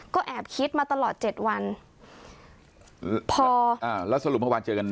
ก็แอบคิดมาตลอดเจ็ดวันพออ่าแล้วสรุปเมื่อวานเจอกัน